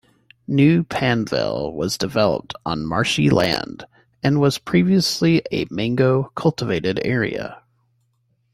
New Panvel was developed on marshy land and was previously a Mango cultivated area.